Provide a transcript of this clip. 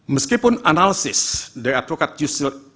meskipun analisis dari advokat yusril issam mahendra